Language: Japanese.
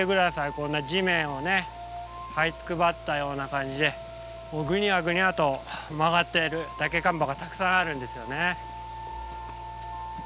こんな地面をねはいつくばったような感じでもうぐにゃぐにゃと曲がっているダケカンバがたくさんあるんですよね。